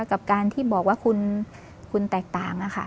กับการที่บอกว่าคุณแตกต่าง